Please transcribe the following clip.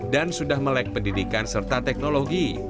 dan sudah melek pendidikan serta teknologi